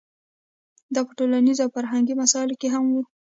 دا په ټولنیزو او فرهنګي مسایلو هم وي.